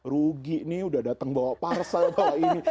rugi nih udah datang bawa parsel bawa ini